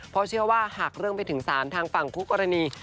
เพราะเชื่อว่าหากเรื่องไปถึงศาลทางฝั่งคู่กรณี